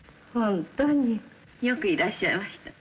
よくいらっしゃいました。